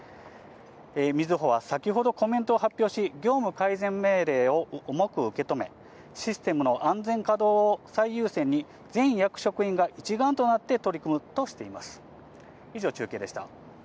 みずほは先ほど、コメントを発表し、業務改善命令を重く受け止め、システムの安全稼働を最優先に、全役職員が一丸となって取り組むとしています。